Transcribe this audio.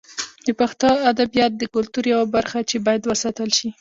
د پښتو ادبیات د کلتور یوه برخه ده چې باید وساتل شي.